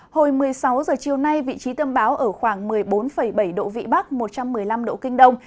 hồi một mươi sáu h chiều nay vị trí tâm báo ở khoảng một mươi bốn bảy độ vĩ bắc một trăm một mươi năm độ kinh đông